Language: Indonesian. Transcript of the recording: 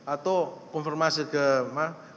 atau konfirmasi ke kepala biro pak